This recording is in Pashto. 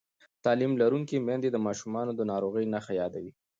تعلیم لرونکې میندې د ماشومانو د ناروغۍ نښې یادوي.